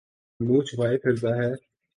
منہ چھپائے پھرتاہے۔